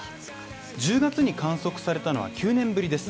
１０月に観測されたのは９年ぶりです